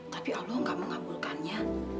tapi allah tidak mengabulkannya